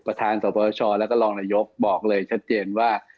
ประธานสวัสดีประชาและก็รองนายกบอกเลยชัดเจนว่า